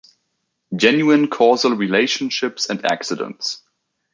Genuine causal relationships and accidents.